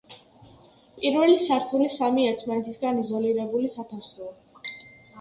პირველი სართული, სამი, ერთმანეთისგან იზოლირებული სათავსოა.